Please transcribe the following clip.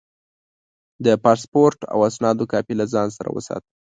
د پاسپورټ او اسنادو کاپي له ځان سره وساته.